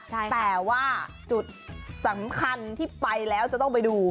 แต่ว่าจุดสำคัญที่ไปแล้วจะต้องไปดู